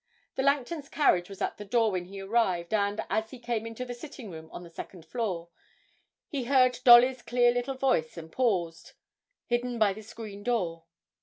The Langtons' carriage was at the door when he arrived; and, as he came into the sitting room on the second floor, he heard Dolly's clear little voice and paused, hidden by the screen at the door.